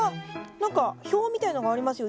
何か表みたいのがありますよ。